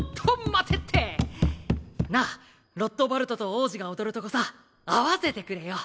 カチッなあロットバルトと王子が踊るとこさ合わせてくれよ。